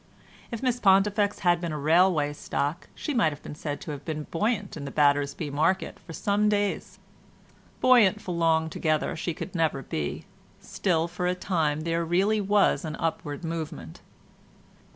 If Miss Pontifex had been a railway stock she might have been said to have been buoyant in the Battersby market for some few days; buoyant for long together she could never be, still for a time there really was an upward movement.